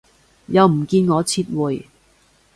又唔見我撤回